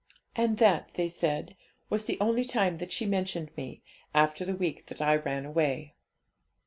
And that, they said, was the only time that she mentioned me, after the week that I ran away.